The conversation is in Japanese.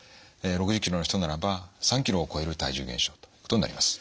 ６０キロの人ならば３キロを超える体重減少ということになります。